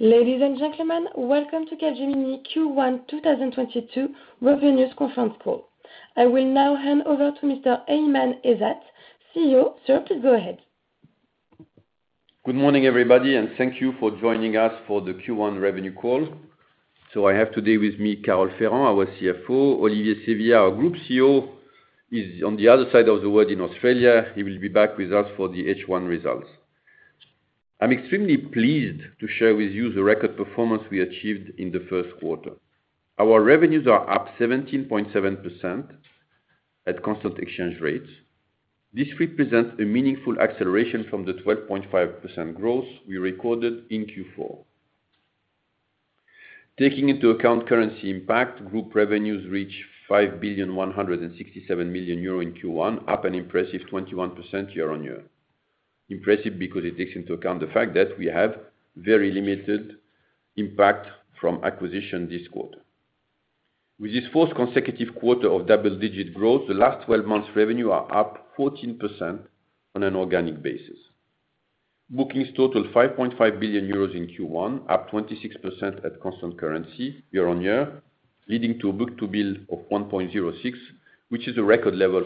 Ladies and gentlemen, welcome to Capgemini Q1 2022 revenues conference call. I will now hand over to Mr. Aiman Ezzat, CEO. Sir, please go ahead. Good morning, everybody, and thank you for joining us for the Q1 revenue call. I have today with me Carole Ferrand, our CFO. Olivier Sevillia, our Group COO, is on the other side of the world in Australia. He will be back with us for the H1 results. I'm extremely pleased to share with you the record performance we achieved in the first quarter. Our revenues are up 17.7% at constant exchange rates. This represents a meaningful acceleration from the 12.5% growth we recorded in Q4. Taking into account currency impact, group revenues reached 5.167 million euro in Q1, up an impressive 21% year-on-year. Impressive because it takes into account the fact that we have very limited impact from acquisition this quarter. With this fourth consecutive quarter of double digit growth, the last 12 months' revenue are up 14% on an organic basis. Bookings totaled 5.5 billion euros in Q1, up 26% at constant currency year-on-year, leading to a book-to-bill of 1.06, which is a record level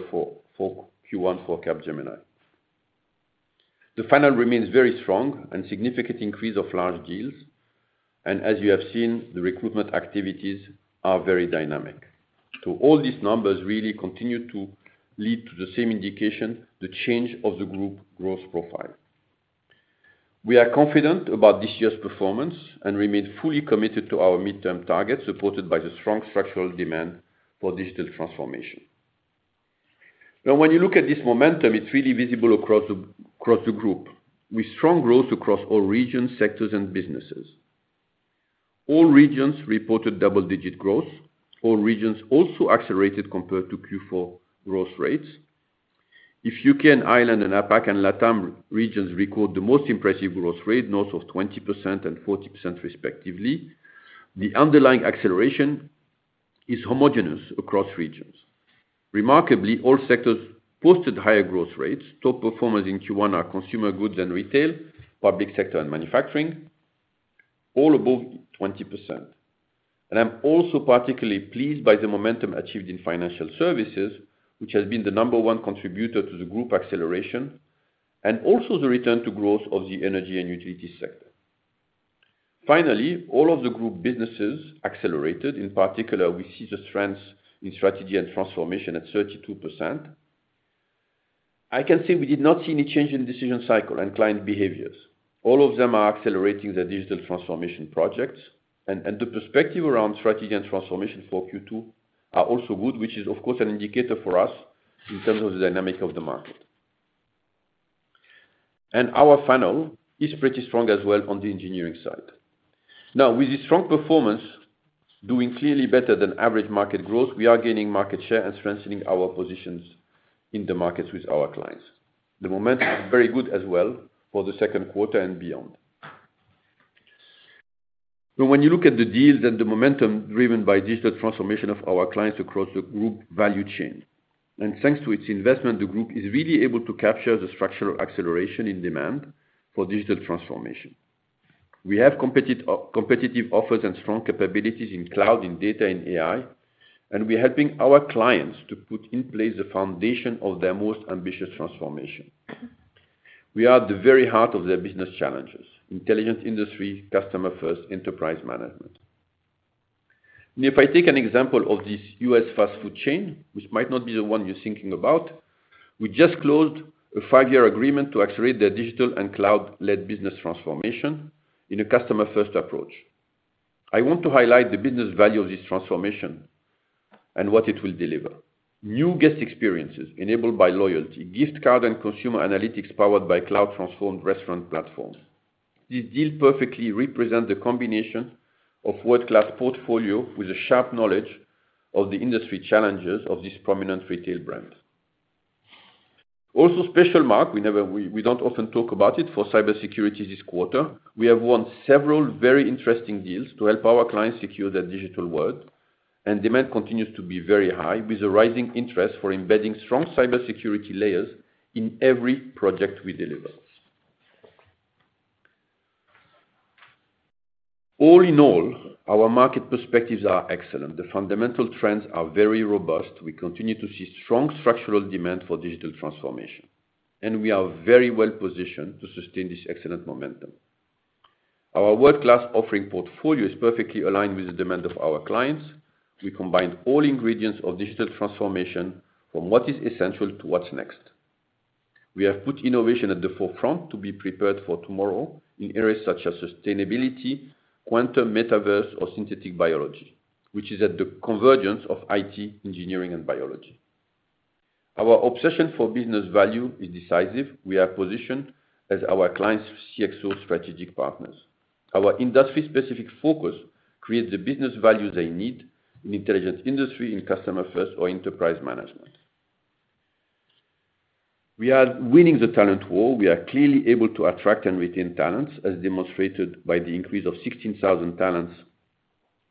for Q1 for Capgemini. The funnel remains very strong and significant increase of large deals. As you have seen, the recruitment activities are very dynamic. All these numbers really continue to lead to the same indication, the change of the group growth profile. We are confident about this year's performance and remain fully committed to our midterm target, supported by the strong structural demand for digital transformation. Now, when you look at this momentum, it's really visible across the group with strong growth across all regions, sectors and businesses. All regions reported double-digit growth. All regions also accelerated compared to Q4 growth rates. In U.K. and Ireland and APAC and LATAM regions record the most impressive growth rate, north of 20% and 40% respectively, the underlying acceleration is homogeneous across regions. Remarkably, all sectors posted higher growth rates. Top performers in Q1 are consumer goods and retail, public sector and manufacturing, all above 20%. I'm also particularly pleased by the momentum achieved in financial services, which has been the number one contributor to the group acceleration and also the return to growth of the energy and utility sector. Finally, all of the group businesses accelerated. In particular, we see the strength in Strategy & Transformation at 32%. I can say we did not see any change in decision cycle and client behaviors. All of them are accelerating their digital transformation projects. The perspective around Strategy & Transformation for Q2 are also good, which is of course an indicator for us in terms of the dynamic of the market. Our funnel is pretty strong as well on the engineering side. Now, with this strong performance doing clearly better than average market growth, we are gaining market share and strengthening our positions in the markets with our clients. The momentum is very good as well for the second quarter and beyond. When you look at the deals and the momentum driven by digital transformation of our clients across the group value chain. Thanks to its investment, the group is really able to capture the structural acceleration in demand for digital transformation. We have competitive offers and strong capabilities in cloud, in data, in AI, and we are helping our clients to put in place the foundation of their most ambitious transformation. We are at the very heart of their business challenges, Intelligent Industry, Customer First, Enterprise Management. If I take an example of this U.S. fast food chain, which might not be the one you're thinking about, we just closed a five-year agreement to accelerate their digital and cloud-led business transformation in a Customer First approach. I want to highlight the business value of this transformation and what it will deliver. New guest experiences enabled by loyalty, gift card and consumer analytics powered by cloud transformed restaurant platforms. This deal perfectly represent the combination of world-class portfolio with a sharp knowledge of the industry challenges of this prominent retail brand. Also, special mention, we don't often talk about it for cybersecurity this quarter. We have won several very interesting deals to help our clients secure their digital world. Demand continues to be very high with a rising interest for embedding strong cybersecurity layers in every project we deliver. All in all, our market perspectives are excellent. The fundamental trends are very robust. We continue to see strong structural demand for digital transformation, and we are very well positioned to sustain this excellent momentum. Our world-class offering portfolio is perfectly aligned with the demand of our clients. We combine all ingredients of digital transformation from what is essential to what's next. We have put innovation at the forefront to be prepared for tomorrow in areas such as sustainability, quantum, metaverse or synthetic biology, which is at the convergence of IT, engineering and biology. Our obsession for business value is decisive. We are positioned as our clients' CXO strategic partners. Our industry specific focus creates the business value they need in Intelligent Industry, in Customer First or Enterprise Management. We are winning the talent war. We are clearly able to attract and retain talents, as demonstrated by the increase of 16,000 talents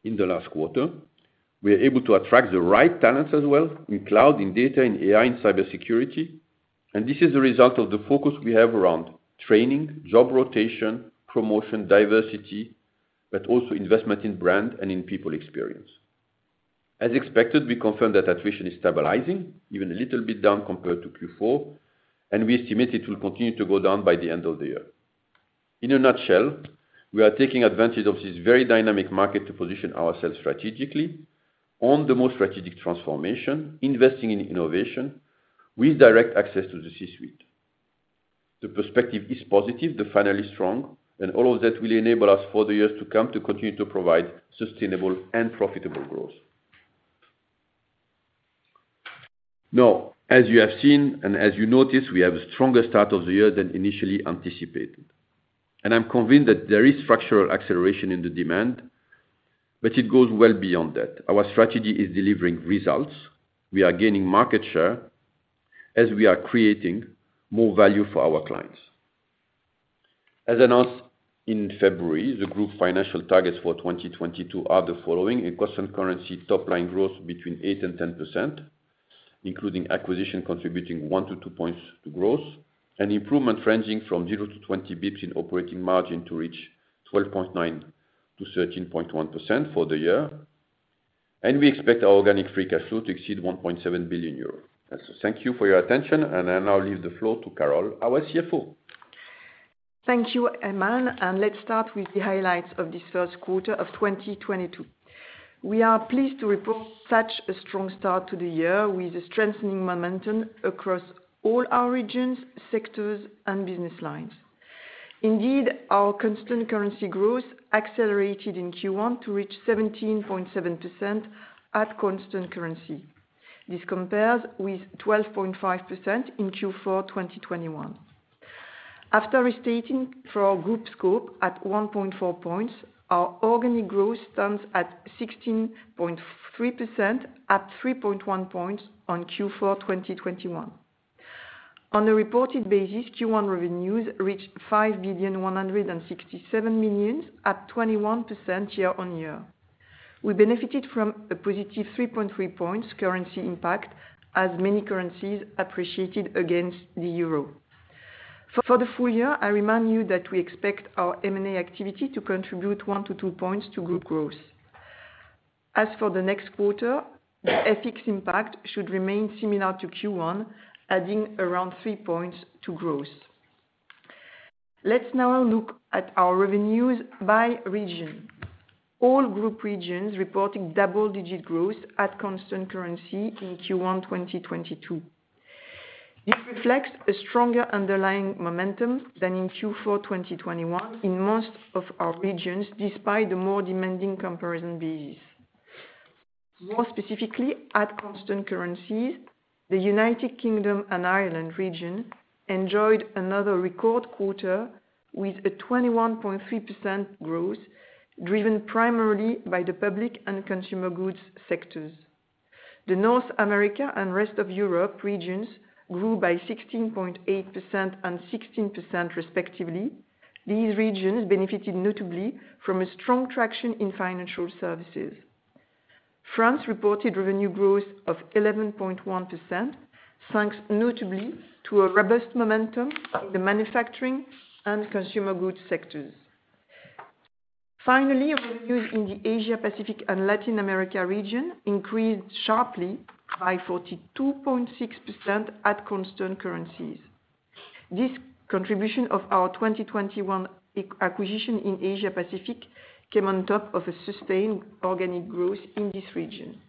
in the last quarter. We are able to attract the right talents as well in cloud, in data, in AI, in cybersecurity, and this is a result of the focus we have around training, job rotation, promotion, diversity, but also investment in brand and in people experience. As expected, we confirm that attrition is stabilizing, even a little bit down compared to Q4, and we estimate it will continue to go down by the end of the year. In a nutshell, we are taking advantage of this very dynamic market to position ourselves strategically on the most strategic transformation, investing in innovation with direct access to the C-suite. The perspective is positive, the funnel is strong, and all of that will enable us for the years to come to continue to provide sustainable and profitable growth. Now, as you have seen, and as you notice, we have a stronger start of the year than initially anticipated, and I'm convinced that there is structural acceleration in the demand, but it goes well beyond that. Our strategy is delivering results. We are gaining market share as we are creating more value for our clients. As announced in February, the group financial targets for 2022 are the following, a constant currency top line growth between 8% and 10%, including acquisition contributing 1-2 points to growth. An improvement ranging from zero to 20 bps in operating margin to reach 12.9%-13.1% for the year. We expect our organic free cash flow to exceed 1.7 billion euros. Thank you for your attention, and I now leave the floor to Carole, our CFO. Thank you, Aiman, and let's start with the highlights of this first quarter of 2022. We are pleased to report such a strong start to the year with a strengthening momentum across all our regions, sectors and business lines. Indeed, our constant currency growth accelerated in Q1 to reach 17.7% at constant currency. This compares with 12.5% in Q4 2021. After restating for our group scope at 1.4 points, our organic growth stands at 16.3% at 3.1 points on Q4 2021. On a reported basis, Q1 revenues reached 5.167 million, at 21% year-on-year. We benefited from a positive 3.3 points currency impact, as many currencies appreciated against the euro. For the full year, I remind you that we expect our M&A activity to contribute 1-2 points to group growth. As for the next quarter, the FX impact should remain similar to Q1, adding around 3 points to growth. Let's now look at our revenues by region. All group regions reporting double-digit growth at constant currency in Q1 2022. This reflects a stronger underlying momentum than in Q4 2021 in most of our regions, despite the more demanding comparison basis. More specifically, at constant currencies, the United Kingdom and Ireland region enjoyed another record quarter with a 21.3% growth, driven primarily by the public and consumer goods sectors. The North America and rest of Europe regions grew by 16.8% and 16% respectively. These regions benefited notably from a strong traction in financial services. France reported revenue growth of 11.1%, thanks notably to a robust momentum in the manufacturing and consumer goods sectors. Finally, revenues in the Asia Pacific and Latin America region increased sharply by 42.6% at constant currencies. This contribution of our 2021 acquisition in Asia Pacific came on top of a sustained organic growth in this region.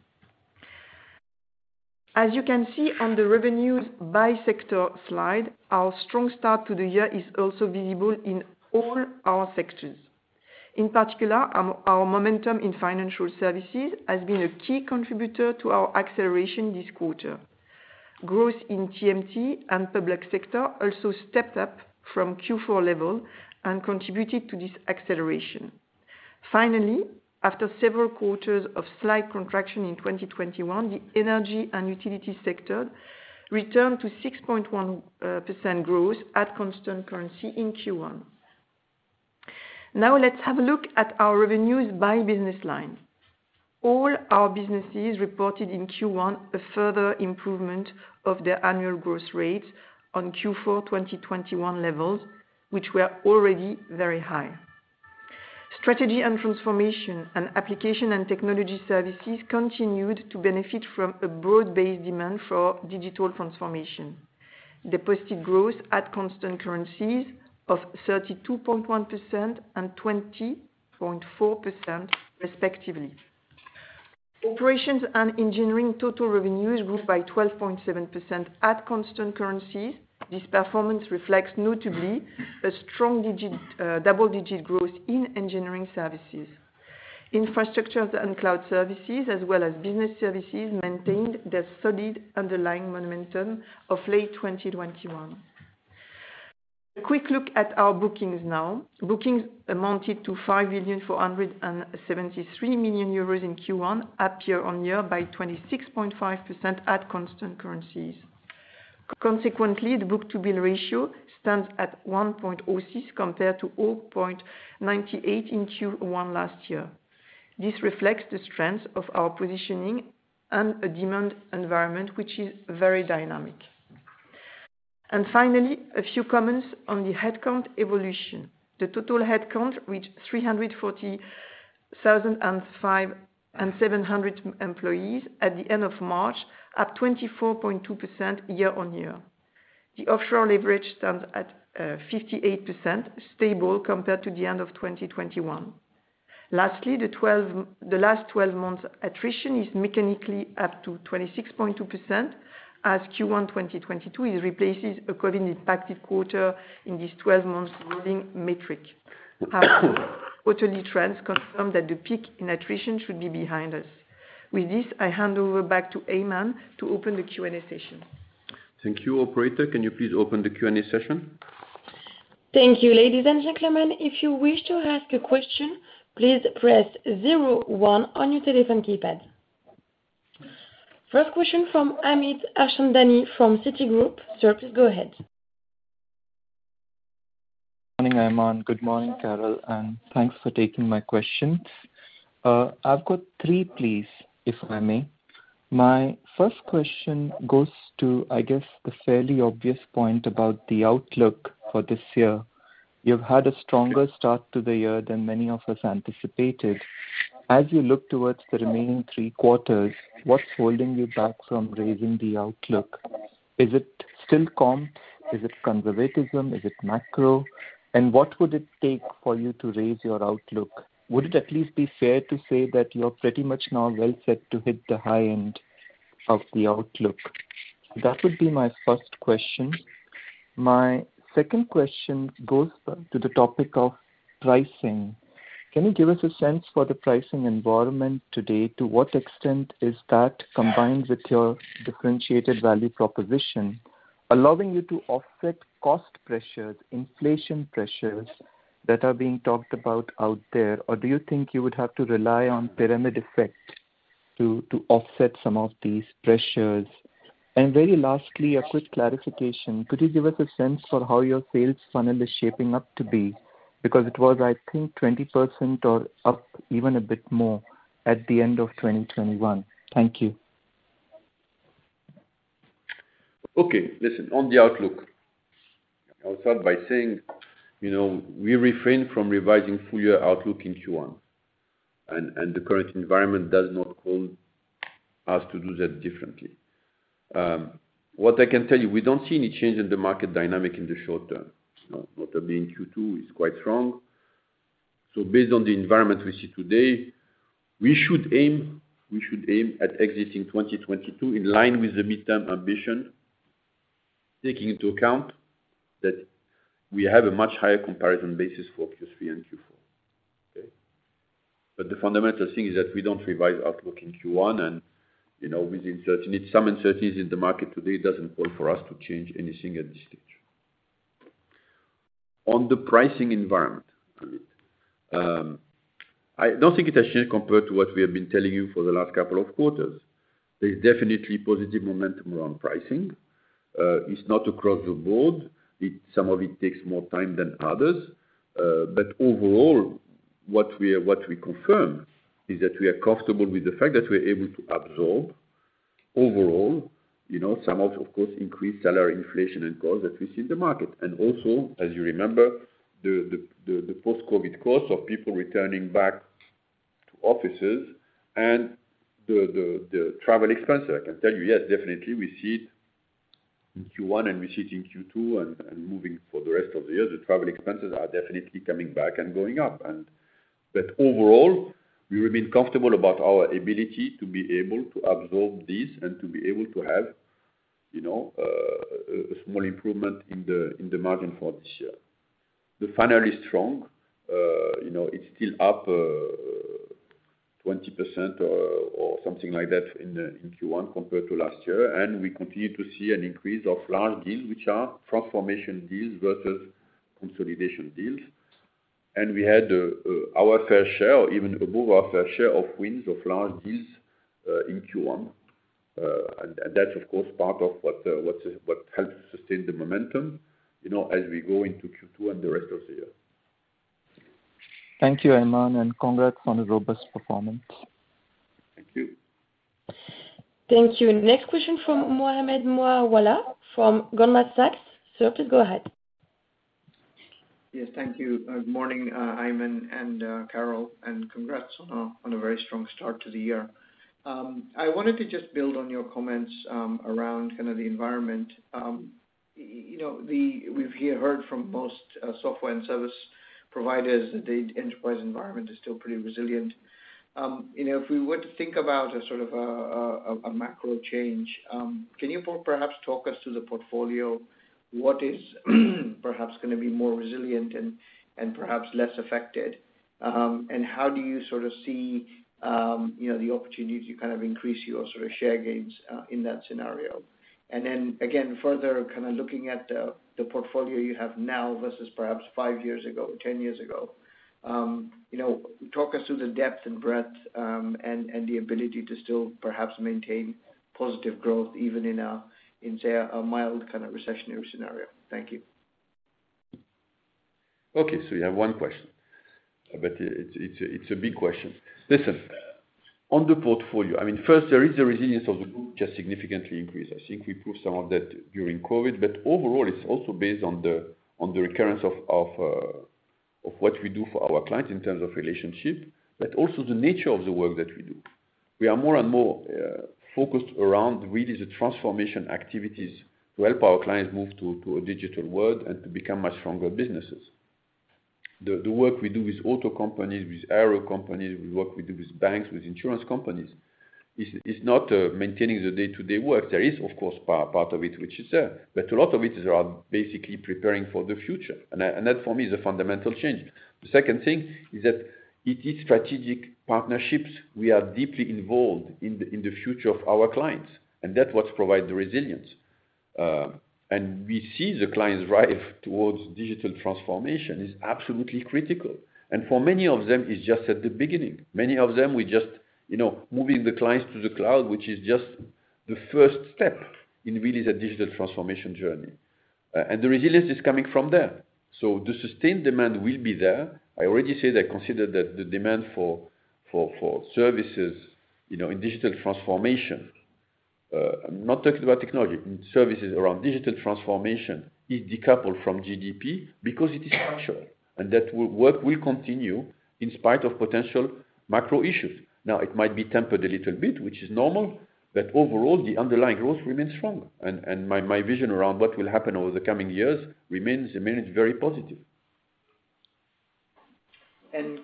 As you can see on the revenues by sector slide, our strong start to the year is also visible in all our sectors. In particular, our momentum in financial services has been a key contributor to our acceleration this quarter. Growth in TMT and public sector also stepped up from Q4 level and contributed to this acceleration. Finally, after several quarters of slight contraction in 2021, the energy and utility sector returned to 6.1% growth at constant currency in Q1. Now let's have a look at our revenues by business line. All our businesses reported in Q1 a further improvement of their annual growth rates on Q4 2021 levels, which were already very high. Strategy & Transformation and Applications & Technology Services continued to benefit from a broad-based demand for digital transformation. They posted growth at constant currencies of 32.1% and 20.4% respectively. Operations & Engineering total revenues grew by 12.7% at constant currencies. This performance reflects notably a strong double-digit growth in engineering services. Infrastructure and cloud services, as well as Business Services, maintained their solid underlying momentum of late 2021. A quick look at our bookings now. Bookings amounted to 5.473 billion euros in Q1, up year-on-year by 26.5% at constant currencies. Consequently, the book-to-bill ratio stands at 1.06 compared to 0.98 in Q1 last year. This reflects the strength of our positioning and a demand environment which is very dynamic. Finally, a few comments on the headcount evolution. The total headcount reached 340,507 employees at the end of March, up 24.2% year-on-year. The offshore leverage stands at 58%, stable compared to the end of 2021. Lastly, the last 12 months attrition is mechanically up to 26.2%, as Q1 2022 replaces a COVID impacted quarter in this 12-month rolling metric. Quarterly trends confirm that the peak in attrition should be behind us. With this, I hand over back to Aiman to open the Q&A session. Thank you. Operator, can you please open the Q&A session? Thank you. Ladies and gentlemen, if you wish to ask a question, please press zero one on your telephone keypad. First question from Amit Harchandani from Citigroup. Sir, please go ahead. Morning, Aiman. Good morning, Carole, and thanks for taking my question. I've got three, please, if I may. My first question goes to, I guess, the fairly obvious point about the outlook for this year. You've had a stronger start to the year than many of us anticipated. As you look towards the remaining three quarters, what's holding you back from raising the outlook? Is it still comp? Is it conservatism? Is it macro? And what would it take for you to raise your outlook? Would it at least be fair to say that you're pretty much now well set to hit the high end of the outlook? That would be my first question. My second question goes to the topic of pricing. Can you give us a sense for the pricing environment today? To what extent is that combined with your differentiated value proposition, allowing you to offset cost pressures, inflation pressures that are being talked about out there? Or do you think you would have to rely on pyramid effect to offset some of these pressures? And very lastly, a quick clarification. Could you give us a sense for how your sales funnel is shaping up to be? Because it was, I think, 20% or up even a bit more at the end of 2021. Thank you. Okay. Listen, on the outlook, I'll start by saying, you know, we refrain from revising full year outlook in Q1, and the current environment does not call us to do that differently. What I can tell you, we don't see any change in the market dynamic in the short term. What I mean, Q2 is quite strong. Based on the environment we see today, we should aim at exiting 2022 in line with the midterm ambition, taking into account that we have a much higher comparison basis for Q3 and Q4. Okay. The fundamental thing is that we don't revise outlook in Q1, and, you know, with the uncertainties in the market today, it doesn't call for us to change anything at this stage. On the pricing environment, Amit, I don't think it has changed compared to what we have been telling you for the last couple of quarters. There's definitely positive momentum around pricing. It's not across the board. Some of it takes more time than others. Overall, what we confirm is that we are comfortable with the fact that we're able to absorb overall, you know, some of course increased salary inflation and costs that we see in the market. As you remember, the post-COVID costs of people returning back to offices and the travel expenses. I can tell you, yes, definitely we see it in Q1, and we see it in Q2, and moving for the rest of the year. The travel expenses are definitely coming back and going up. Overall, we remain comfortable about our ability to be able to absorb this and to be able to have, you know, a small improvement in the margin for this year. The funnel is strong. You know, it's still up 20% or something like that in Q1 compared to last year. We continue to see an increase of large deals, which are transformation deals versus consolidation deals. We had our fair share or even above our fair share of wins of large deals in Q1. That's of course part of what helps sustain the momentum, you know, as we go into Q2 and the rest of the year. Thank you, Aiman, and congrats on a robust performance. Thank you. Thank you. Next question from Mohammed Moawalla from Goldman Sachs. Sir, please go ahead. Yes, thank you. Good morning, Aiman and Carole, and congrats on a very strong start to the year. I wanted to just build on your comments around kind of the environment. You know, we've heard from most software and service providers that the enterprise environment is still pretty resilient. You know, if we were to think about a sort of a macro change, can you perhaps talk us through the portfolio? What is perhaps gonna be more resilient and perhaps less affected? And how do you sort of see you know, the opportunity to kind of increase your sort of share gains in that scenario? Then again, further kind of looking at the portfolio you have now versus perhaps five years ago, 10 years ago, you know, talk us through the depth and breadth and the ability to still perhaps maintain positive growth even in, say, a mild kind of recessionary scenario. Thank you. Okay, you have one question, but it's a big question. Listen, on the portfolio, I mean, first there is the resilience of the group just significantly increased. I think we proved some of that during COVID. Overall, it's also based on the recurrence of what we do for our clients in terms of relationship, but also the nature of the work that we do. We are more and more focused around really the transformation activities to help our clients move to a digital world and to become much stronger businesses. The work we do with auto companies, with aero companies, the work we do with banks, with insurance companies is not maintaining the day-to-day work. There is of course, part of it, which is there, but a lot of it is around basically preparing for the future. That for me is a fundamental change. The second thing is that it is strategic partnerships. We are deeply involved in the future of our clients, and that's what provide the resilience. We see the clients drive towards digital transformation is absolutely critical, and for many of them it's just at the beginning. Many of them we just, you know, moving the clients to the cloud, which is just the first step in really the digital transformation journey. The resilience is coming from there. The sustained demand will be there. I already said I consider that the demand for services, you know, in digital transformation, I'm not talking about technology, services around digital transformation is decoupled from GDP because it is structural, and that work will continue in spite of potential macro issues. Now, it might be tempered a little bit, which is normal, but overall the underlying growth remains strong. My vision around what will happen over the coming years remains very positive.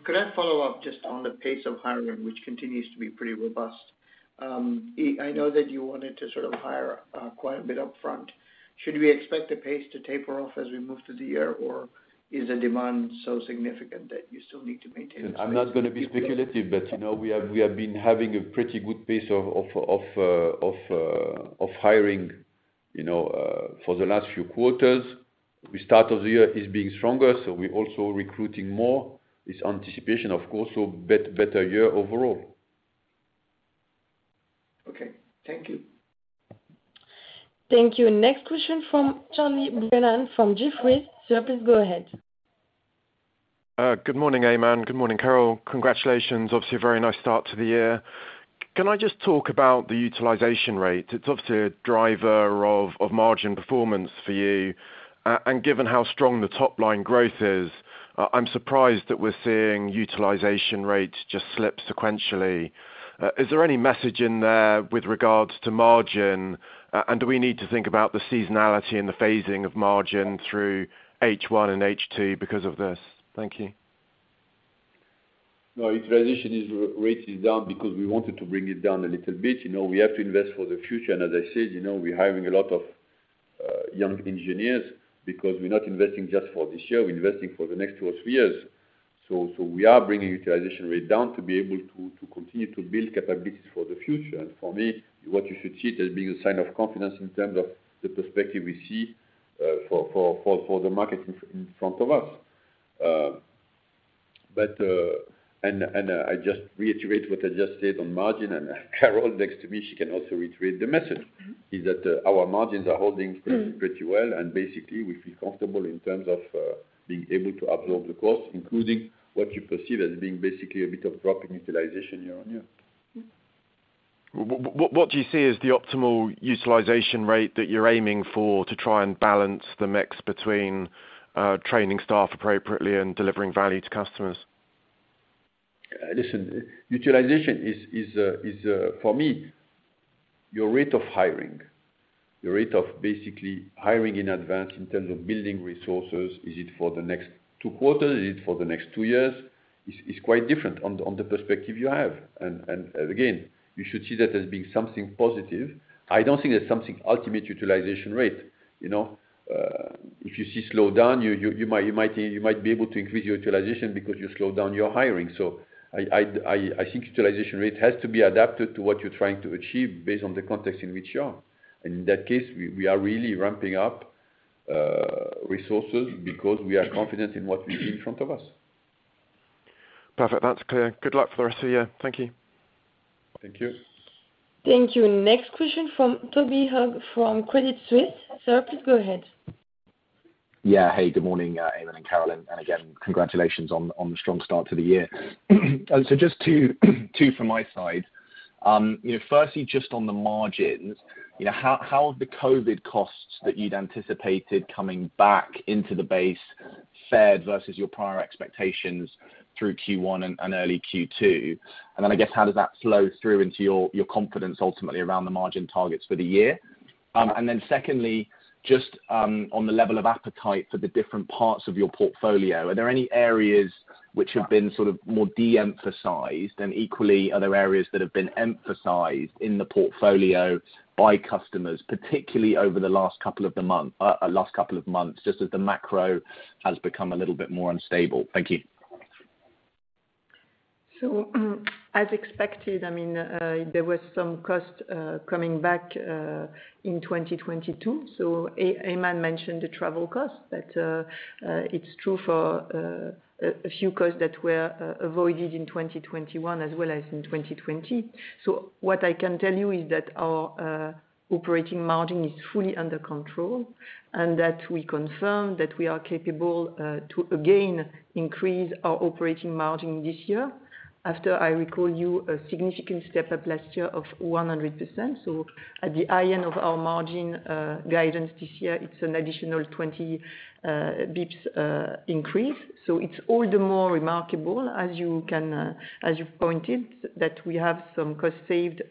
Could I follow up just on the pace of hiring, which continues to be pretty robust. I know that you wanted to sort of hire quite a bit upfront. Should we expect the pace to taper off as we move through the year, or is the demand so significant that you still need to maintain this pace? I'm not gonna be speculative, but, you know, we have been having a pretty good pace of hiring, you know, for the last few quarters. The start of the year is being stronger, so we also recruiting more. It's anticipation of course, so better year overall. Okay. Thank you. Thank you. Next question from Charles Brennan from Jefferies. Sir, please go ahead. Good morning, Aiman. Good morning, Carole. Congratulations. Obviously a very nice start to the year. Can I just talk about the utilization rate? It's obviously a driver of margin performance for you. And given how strong the top line growth is, I'm surprised that we're seeing utilization rates just slip sequentially. Is there any message in there with regards to margin? And do we need to think about the seasonality and the phasing of margin through H1 and H2 because of this? Thank you. No, utilization rate is down because we wanted to bring it down a little bit. You know, we have to invest for the future and as I said, you know, we are hiring a lot of young engineers because we're not investing just for this year. We're investing for the next two or three years. We are bringing utilization rate down to be able to continue to build capabilities for the future. For me, what you should see it as being a sign of confidence in terms of the perspective we see for the market in front of us. I just reiterate what I just said on margin and Carole next to me, she can also reiterate the message. Mm-hmm. Is that, our margins are holding? Pretty well and basically we feel comfortable in terms of being able to absorb the cost, including what you perceive as being basically a bit of drop in utilization year-on-year. What do you see as the optimal utilization rate that you're aiming for to try and balance the mix between training staff appropriately and delivering value to customers? Listen, utilization is for me your rate of hiring, your rate of basically hiring in advance in terms of building resources. Is it for the next two quarters? Is it for the next two years? Is quite different on the perspective you have. Again, you should see that as being something positive. I don't think there's an ultimate utilization rate. You know, if you see slow down, you might be able to increase your utilization because you slow down your hiring. I think utilization rate has to be adapted to what you're trying to achieve based on the context in which you are. In that case, we are really ramping up resources because we are confident in what we see in front of us. Perfect. That's clear. Good luck for the rest of the year. Thank you. Thank you. Thank you. Next question from Toby Ogg from Credit Suisse. Sir, please go ahead. Hey, good morning, Aiman and Carole, and again, congratulations on the strong start to the year. Just two from my side. You know, firstly just on the margins, you know, how have the COVID costs that you'd anticipated coming back into the base fared versus your prior expectations through Q1 and early Q2? Then I guess, how does that flow through into your confidence ultimately around the margin targets for the year? And then secondly, just on the level of appetite for the different parts of your portfolio, are there any areas which have been sort of more de-emphasized? Equally, are there areas that have been emphasized in the portfolio by customers, particularly over the last couple of months, just as the macro has become a little bit more unstable? Thank you. As expected, I mean, there was some cost coming back in 2022. Aiman mentioned the travel cost, but it's true for a few costs that were avoided in 2021 as well as in 2020. What I can tell you is that our operating margin is fully under control, and that we confirm that we are capable to again increase our operating margin this year after, as I recall, a significant step-up last year of 100 bps. At the high end of our margin guidance this year, it's an additional 20 bps increase. It's all the more remarkable as you pointed that we have some cost saved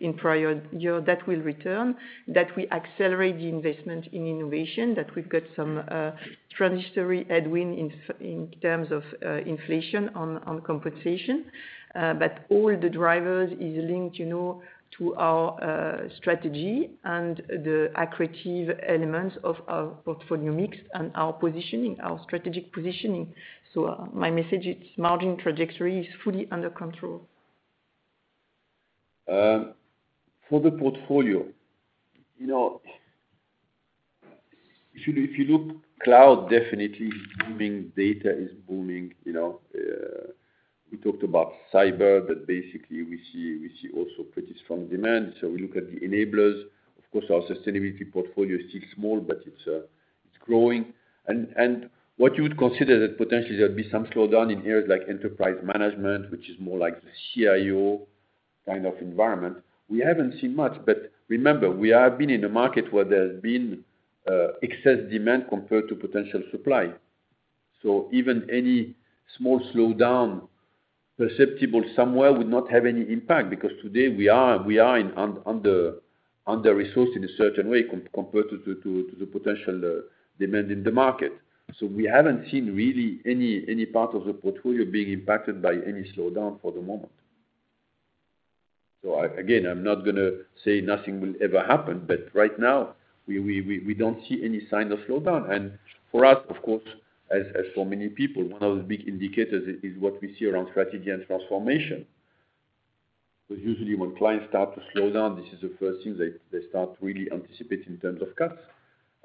in prior year that will return, that we accelerate the investment in innovation, that we've got some transitory headwind in terms of inflation on compensation. All the drivers is linked, you know, to our strategy and the accretive elements of our portfolio mix and our positioning, our strategic positioning. My message is margin trajectory is fully under control. For the portfolio, you know, if you look, cloud definitely is booming, data is booming, you know. We talked about cyber, but basically we see also pretty strong demand. We look at the enablers. Of course, our sustainability portfolio is still small, but it's growing. What you would consider that potentially there'd be some slowdown in areas like Enterprise Management, which is more like the CIO kind of environment. We haven't seen much, but remember, we have been in a market where there has been excess demand compared to potential supply. Even any small slowdown perceptible somewhere would not have any impact because today we are under-resourced in a certain way compared to the potential demand in the market. We haven't seen really any part of the portfolio being impacted by any slowdown for the moment. Again, I'm not gonna say nothing will ever happen, but right now we don't see any sign of slowdown. For us, of course, as for many people, one of the big indicators is what we see around Strategy & Transformation. Usually when clients start to slow down, this is the first thing they start to really anticipate in terms of cuts.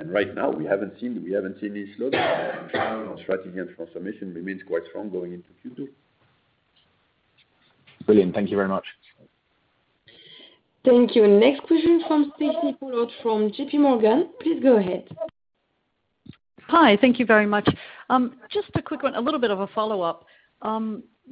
Right now we haven't seen any slowdown. Strategy & Transformation remains quite strong going into Q2. Brilliant. Thank you very much. Thank you. Next question from Stacy Pollard from JPMorgan. Please go ahead. Hi. Thank you very much. Just a quick one, a little bit of a follow-up.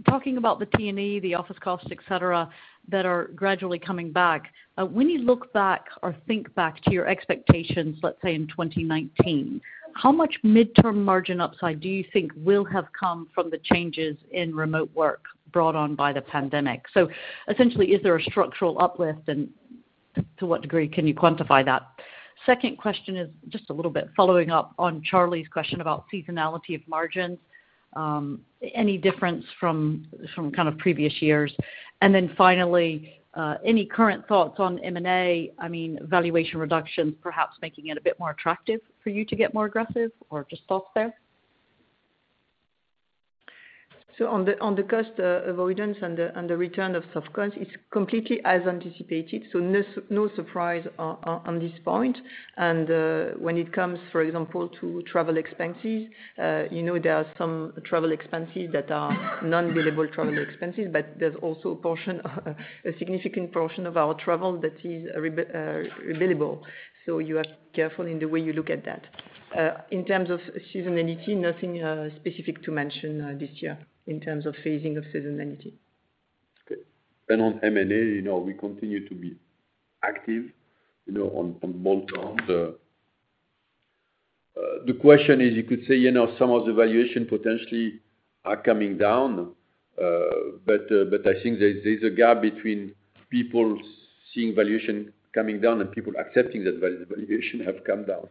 Talking about the T&E, the office costs, et cetera, that are gradually coming back. When you look back or think back to your expectations, let's say in 2019, how much midterm margin upside do you think will have come from the changes in remote work brought on by the pandemic? So essentially, is there a structural uplift, and to what degree can you quantify that? Second question is just a little bit following up on Charlie's question about seasonality of margins. Any difference from from kind of previous years. Then finally, any current thoughts on M&A, I mean, valuation reductions perhaps making it a bit more attractive for you to get more aggressive or just talk there. On the cost avoidance and the return of soft costs, it's completely as anticipated, no surprise on this point. When it comes, for example, to travel expenses, there are some travel expenses that are non-billable travel expenses, but there's also a portion, a significant portion of our travel that is billable. You have to be careful in the way you look at that. In terms of seasonality, nothing specific to mention this year in terms of phasing of seasonality. Okay. On M&A, you know, we continue to be active, you know, on both arms. The question is, you could say, you know, some of the valuation potentially are coming down. But I think there's a gap between people seeing valuation coming down and people accepting that valuation have come down.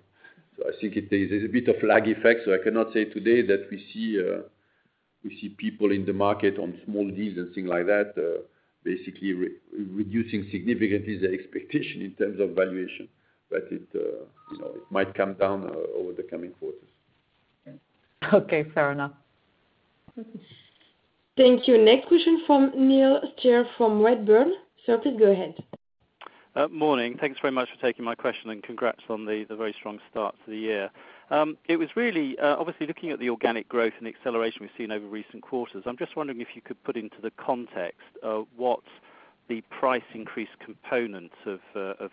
I think there's a bit of lag effect, so I cannot say today that we see people in the market on small deals and things like that, basically reducing significantly the expectation in terms of valuation. It might come down over the coming quarters. Okay, fair enough. Thank you. Next question from Neil Steer from Redburn. Sir, please go ahead. Morning. Thanks very much for taking my question, and congrats on the very strong start to the year. It was really obviously looking at the organic growth and acceleration we've seen over recent quarters, I'm just wondering if you could put into the context of what the price increase component of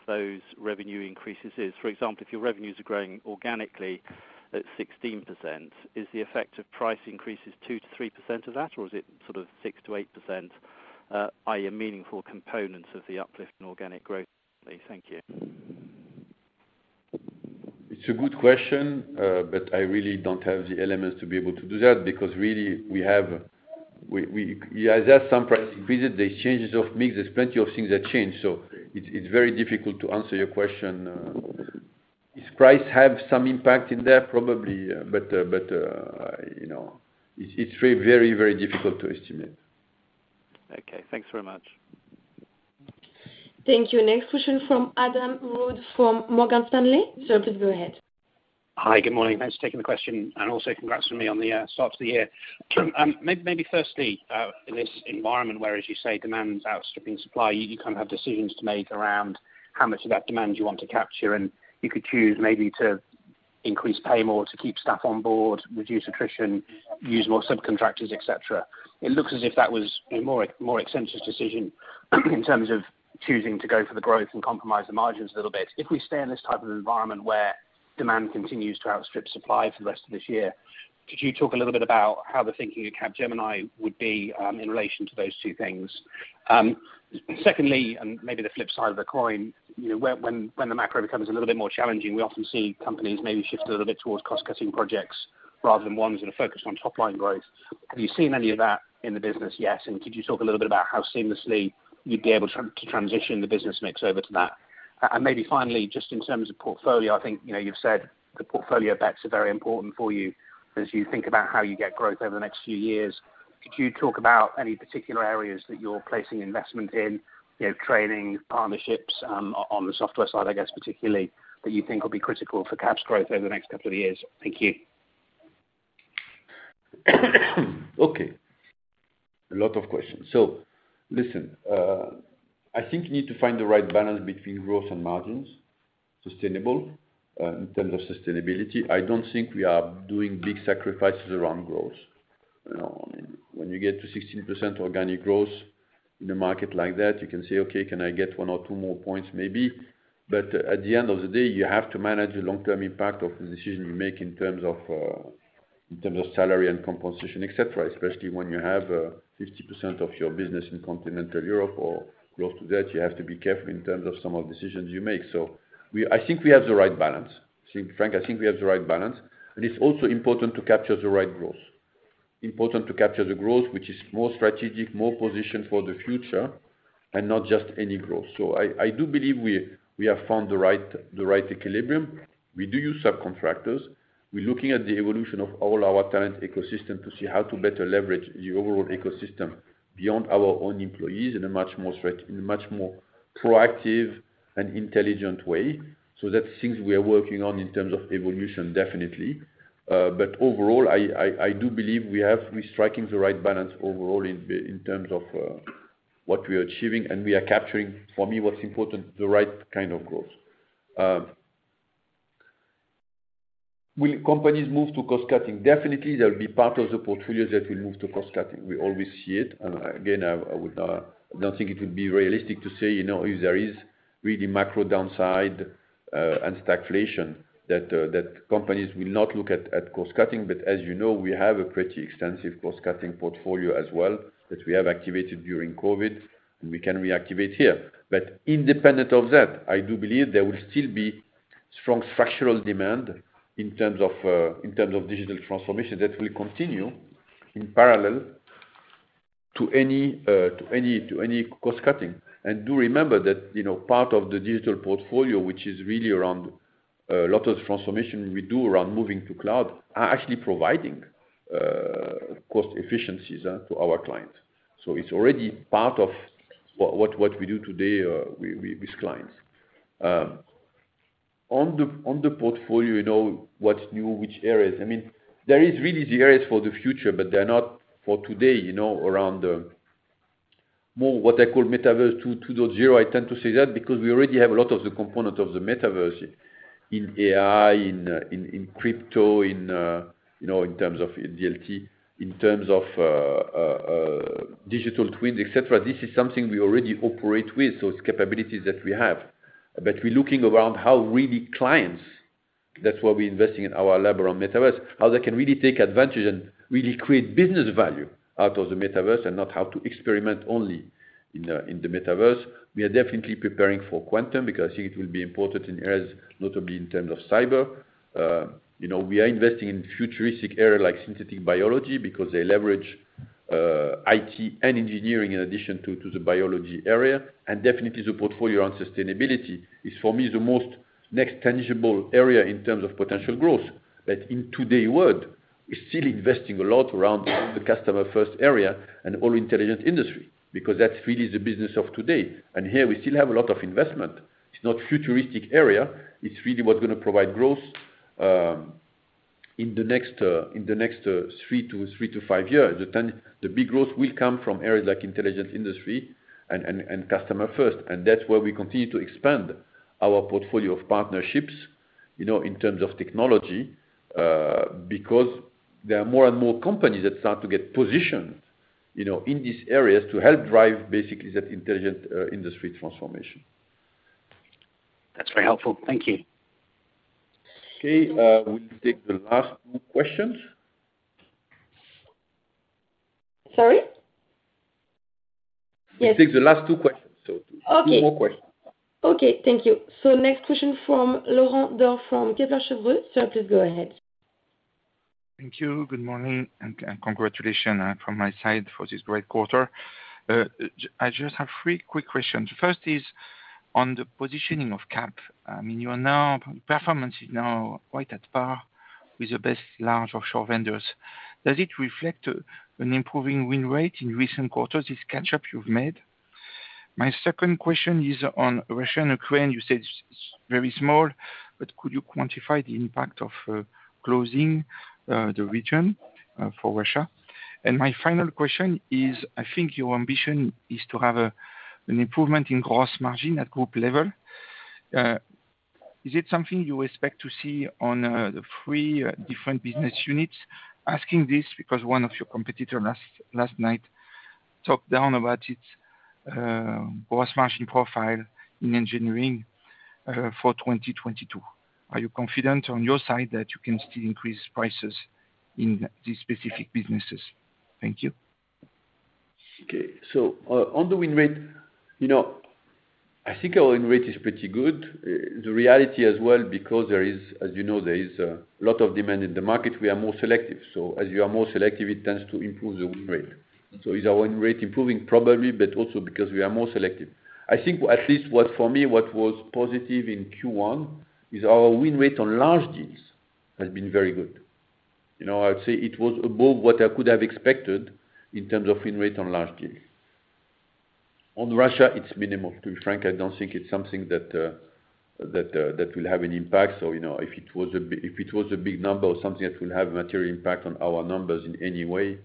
those revenue increases is. For example, if your revenues are growing organically at 16%, is the effect of price increases 2%-3% of that? Or is it sort of 6%-8%, i.e., meaningful components of the uplift in organic growth? Thank you. It's a good question, but I really don't have the elements to be able to do that because really we have, there are some price increases, the changes of mix, there's plenty of things that change, so it's very difficult to answer your question. Does price have some impact in there? Probably. You know, it's very, very difficult to estimate. Okay, thanks very much. Thank you. Next question from Adam Wood from Morgan Stanley. Sir, please go ahead. Hi, good morning. Thanks for taking the question, and also congrats from me on the start to the year. Maybe firstly, in this environment where as you say, demand's outstripping supply, you kind of have decisions to make around how much of that demand you want to capture. You could choose maybe to increase pay more to keep staff on board, reduce attrition, use more subcontractors, et cetera. It looks as if that was a more extensive decision in terms of choosing to go for the growth and compromise the margins a little bit. If we stay in this type of environment where demand continues to outstrip supply for the rest of this year, could you talk a little bit about how the thinking at Capgemini would be in relation to those two things? Secondly, maybe the flip side of the coin, you know, when the macro becomes a little bit more challenging, we often see companies maybe shift a little bit towards cost-cutting projects rather than ones that are focused on top-line growth. Have you seen any of that in the business yet? Could you talk a little bit about how seamlessly you'd be able to transition the business mix over to that? Maybe finally, just in terms of portfolio, I think, you know, you've said the portfolio bets are very important for you as you think about how you get growth over the next few years. Could you talk about any particular areas that you're placing investment in? You know, training, partnerships, on the software side I guess particularly, that you think will be critical for Cap's growth over the next couple of years? Thank you. Okay. A lot of questions. Listen, I think you need to find the right balance between growth and margins, sustainable, in terms of sustainability. I don't think we are doing big sacrifices around growth. You know, when you get to 16% organic growth in a market like that, you can say, "Okay, can I get one or two more points maybe?" But at the end of the day, you have to manage the long-term impact of the decision you make in terms of, in terms of salary and compensation, et cetera, especially when you have, 50% of your business in continental Europe or close to that. You have to be careful in terms of some of the decisions you make. I think we have the right balance. To be frank, I think we have the right balance, and it's also important to capture the right growth. Important to capture the growth which is more strategic, more positioned for the future, and not just any growth. I do believe we have found the right equilibrium. We do use subcontractors. We're looking at the evolution of all our talent ecosystem to see how to better leverage the overall ecosystem beyond our own employees in a much more proactive and intelligent way. That's things we are working on in terms of evolution, definitely. Overall, I do believe we have the right balance. We're striking the right balance overall in terms of what we are achieving, and we are capturing for me what's important, the right kind of growth. Will companies move to cost cutting? Definitely, there'll be part of the portfolio that will move to cost cutting. We always see it. Again, I would, I don't think it would be realistic to say, you know, if there is really macro downside, and stagflation that companies will not look at cost cutting. As you know, we have a pretty extensive cost cutting portfolio as well that we have activated during COVID, and we can reactivate here. Independent of that, I do believe there will still be strong structural demand in terms of, in terms of digital transformation that will continue in parallel to any cost cutting. Do remember that, you know, part of the digital portfolio, which is really around a lot of transformation we do around moving to cloud, are actually providing cost efficiencies to our clients. It's already part of what we do today with clients. On the portfolio, you know, what's new, which areas? I mean, there is really the areas for the future, but they're not for today, you know, around more what I call Metaverse two dot zero. I tend to say that because we already have a lot of the components of the Metaverse in AI, in crypto, in you know, in terms of DLT, in terms of digital twins, et cetera. This is something we already operate with, so it's capabilities that we have. We're looking at how our clients, that's why we're investing in our Metaverse lab, how they can really take advantage and really create business value out of the metaverse and not how to experiment only in the metaverse. We are definitely preparing for quantum because I think it will be important in areas notably in terms of cybersecurity. You know, we are investing in futuristic area like synthetic biology because they leverage IT and engineering in addition to the biology area. Definitely the portfolio around sustainability is for me the next most tangible area in terms of potential growth. In today's world, we're still investing a lot around the Customer First area and all Intelligent Industry because that's really the business of today. Here we still have a lot of investment. It's not futuristic area. It's really what's gonna provide growth in the next three-five years. The big growth will come from areas like Intelligent Industry and Customer First. That's where we continue to expand our portfolio of partnerships, you know, in terms of technology, because there are more and more companies that start to get positioned, you know, in these areas to help drive basically that Intelligent Industry transformation. That's very helpful. Thank you. Okay. We'll take the last two questions. Sorry? Yes. We'll take the last two questions. Okay. Two more questions. Okay. Thank you. Next question from Laurent Daure from Kepler Cheuvreux. Sir, please go ahead. Thank you. Good morning, and congratulations from my side for this great quarter. I just have three quick questions. First is on the positioning of Cap. I mean, performance is now right at par with the best large offshore vendors. Does it reflect an improving win rate in recent quarters, this catch-up you've made? My second question is on Russia and Ukraine. You said it's very small, but could you quantify the impact of closing the region for Russia? And my final question is, I think your ambition is to have an improvement in gross margin at group level. Is it something you expect to see on the three different business units? Asking this because one of your competitor last night talked down about it, gross margin profile in engineering for 2022. Are you confident on your side that you can still increase prices in these specific businesses? Thank you. Okay. On the win rate, you know, I think our win rate is pretty good. The reality as well because there is, as you know, there is a lot of demand in the market. We are more selective, so as you are more selective, it tends to improve the win rate. Is our win rate improving? Probably, but also because we are more selective. I think at least what for me, what was positive in Q1 is our win rate on large deals has been very good. You know, I would say it was above what I could have expected in terms of win rate on large deals. On Russia, it's minimal. To be frank, I don't think it's something that will have an impact. You know, if it was a big number or something that will have material impact on our numbers in any way,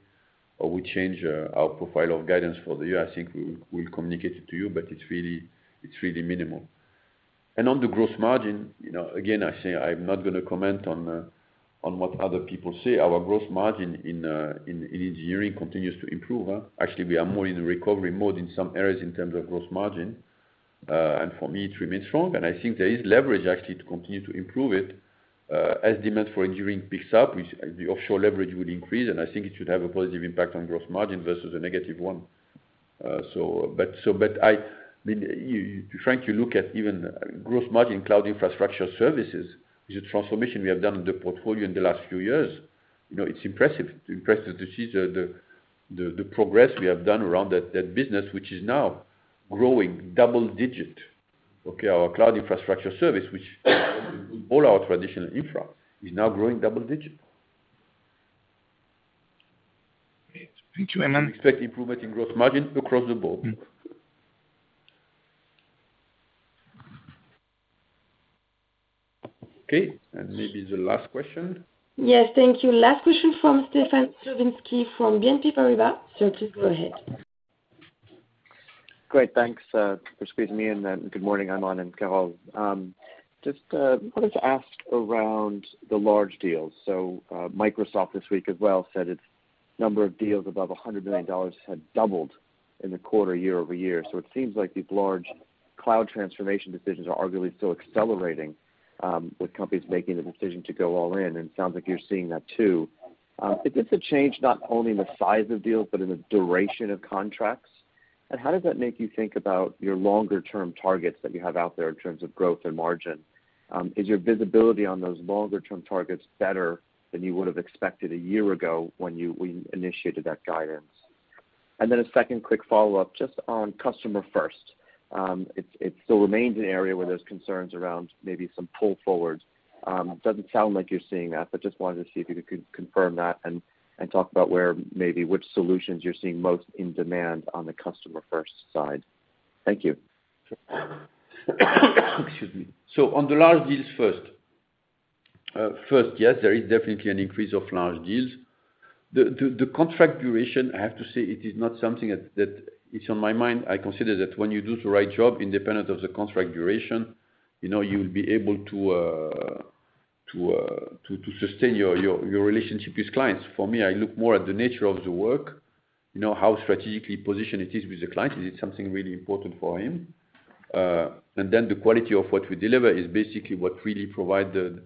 or we change our profile of guidance for the year, I think we'll communicate it to you, but it's really minimal. On the gross margin, you know, again, I say I'm not gonna comment on what other people say. Our gross margin in engineering continues to improve. Actually, we are more in recovery mode in some areas in terms of gross margin. For me, it remains strong and I think there is leverage actually to continue to improve it, as demand for engineering picks up, which the offshore leverage would increase, and I think it should have a positive impact on gross margin versus a -1. then you have to frankly look at even gross margin cloud infrastructure services is a transformation we have done in the portfolio in the last few years. You know, it's impressive. Impressive to see the progress we have done around that business which is now growing double-digit. Okay. Our cloud infrastructure service, which all our traditional infra is now growing double-digit. Great. Thank you, Aiman Ezzat. We expect improvement in gross margin across the board. Okay. Maybe the last question. Yes. Thank you. Last question from Stefan Slowinski from BNP Paribas. Sir, please go ahead. Great, thanks, for squeezing me in. Good morning, Aiman and Carole. Just wanted to ask around the large deals. Microsoft this week as well said its number of deals above $100 million had doubled in the quarter year-over-year. It seems like these large cloud transformation decisions are arguably still accelerating, with companies making the decision to go all in, and sounds like you're seeing that too. If it's a change not only in the size of deals but in the duration of contracts, and how does that make you think about your longer term targets that you have out there in terms of growth and margin? Is your visibility on those longer term targets better than you would've expected a year ago when you initiated that guidance? Then a second quick follow-up, just on Customer First. It still remains an area where there's concerns around maybe some pull forwards. Doesn't sound like you're seeing that, but just wanted to see if you could confirm that and talk about where maybe which solutions you're seeing most in demand on the Customer First side. Thank you. Excuse me. On the large deals first. First, yes, there is definitely an increase of large deals. The contract duration, I have to say it is not something that is on my mind. I consider that when you do the right job, independent of the contract duration, you know you'll be able to sustain your relationship with clients. For me, I look more at the nature of the work, you know, how strategically positioned it is with the client. Is it something really important for him? Then the quality of what we deliver is basically what really provide the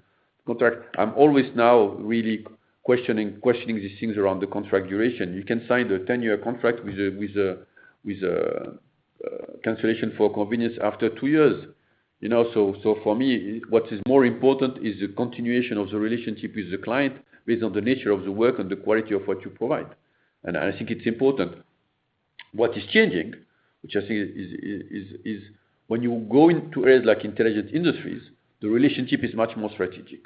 contract. I'm always now really questioning these things around the contract duration. You can sign a 10-year contract with a cancellation for convenience after two years, you know? For me, what is more important is the continuation of the relationship with the client based on the nature of the work and the quality of what you provide. I think it's important. What is changing, which I think is when you go into areas like Intelligent Industries, the relationship is much more strategic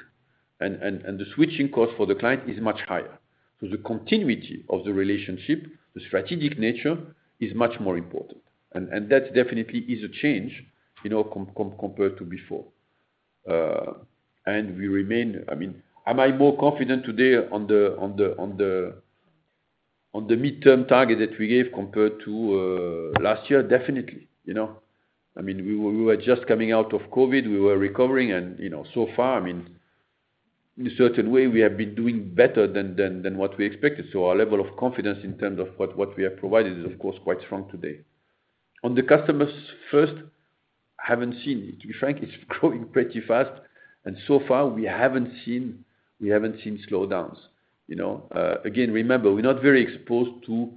and the switching cost for the client is much higher. The continuity of the relationship, the strategic nature is much more important, and that definitely is a change, you know, compared to before. I mean, am I more confident today on the midterm target that we gave compared to last year? Definitely, you know. I mean, we were just coming out of COVID, we were recovering and, you know, so far, I mean, in a certain way we have been doing better than what we expected. Our level of confidence in terms of what we have provided is of course quite strong today. On the Customer First, haven't seen it, to be frank, it's growing pretty fast and so far we haven't seen slowdowns, you know. Again, remember we're not very exposed to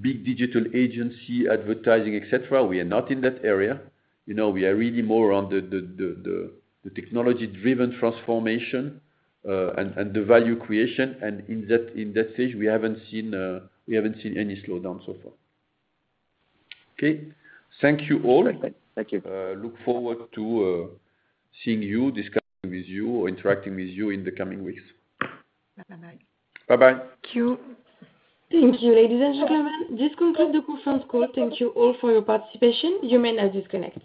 big digital agency advertising, et cetera. We are not in that area. You know, we are really more on the technology-driven transformation, and the value creation. In that stage, we haven't seen any slowdowns so far. Okay. Thank you all. Thank you. Look forward to seeing you, discussing with you or interacting with you in the coming weeks. Bye bye. Bye bye. Thank you. Thank you, ladies and gentlemen. This concludes the conference call. Thank you all for your participation. You may now disconnect.